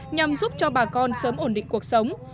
nhằm giúp cho bà con sớm ổn định cuộc sống